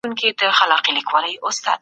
له تجربې پرته نظریه ارزښت نه لري.